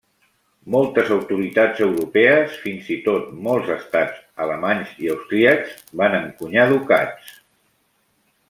Moltes autoritats europees, fins i tot molts estats alemanys i austríacs, van encunyar ducats.